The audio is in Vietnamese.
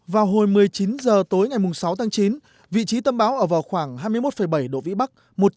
vào hồi một mươi chín h tối ngày sáu tháng chín vị trí tâm bão ở vào khoảng hai mươi một bảy độ vĩ bắc